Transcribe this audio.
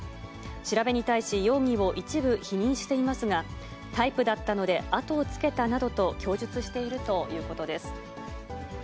調べに対し、容疑を一部否認していますが、タイプだったので後をつけたなどと供述しているということです。